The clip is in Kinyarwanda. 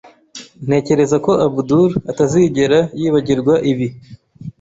Ntekereza ko Abdul atazigera yibagirwa ibi.